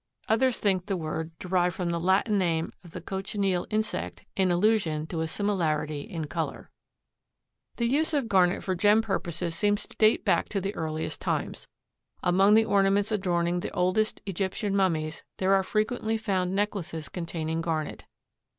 Others think the word derived from the Latin name of the cochineal insect in allusion to a similarity in color. The use of garnet for gem purposes seems to date back to the earliest times. Among the ornaments adorning the oldest Egyptian mummies there are frequently found necklaces containing garnet.